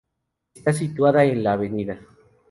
Está situada en la Av.